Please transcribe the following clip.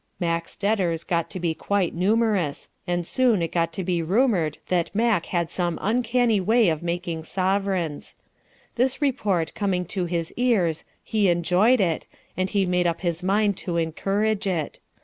Mack's debtors got to be quite numerous, and soon it got to be rumored that Mack had some uncanny way of making sovereigns. This report coming to his ears, he enjoyed it, and he made up his mind to encourage it.